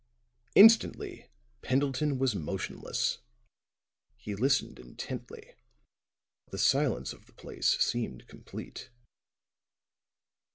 Instantly Pendleton was motionless; he listened intently, but the silence of the place seemed complete.